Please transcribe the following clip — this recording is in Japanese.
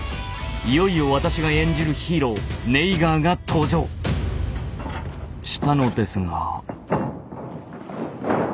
いよいよ私が演じるヒーローネイガーが登場したのですが。